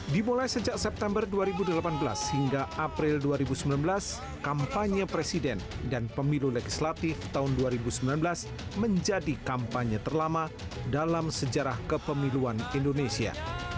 dimulai sejak september dua ribu delapan belas hingga april dua ribu sembilan belas kampanye presiden dan pemilu legislatif tahun dua ribu sembilan belas menjadi kampanye terlama dalam sejarah kepemiluan indonesia